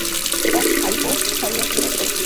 এটা হাইপোথার্মিয়া কীভাবে হতে পারে?